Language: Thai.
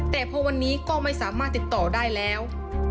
แต่พอวันนี้ก็ไม่สามารถติดต่อได้แล้ว